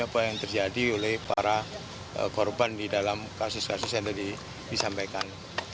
apa yang terjadi oleh para korban di dalam kasus kasus yang tadi disampaikan